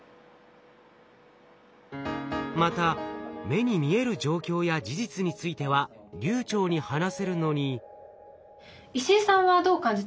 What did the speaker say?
また目に見える状況や事実については流暢に話せるのに。